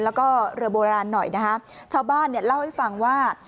แล้วก็เรือโบราณหน่อยนะคะชาวบ้านเนี่ยเล่าให้ฟังว่า